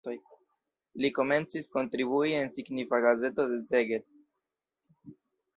Li komencis kontribui en signifa gazeto de Szeged.